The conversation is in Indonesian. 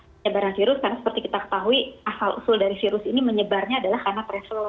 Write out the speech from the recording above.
penyebaran virus karena seperti kita ketahui asal usul dari virus ini menyebarnya adalah karena travel